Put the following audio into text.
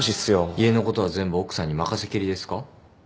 家のことは全部奥さんに任せきりですか？